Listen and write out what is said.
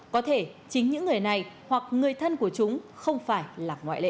có thể chính những người này hoặc người thân của chúng không phải là ngoại lệ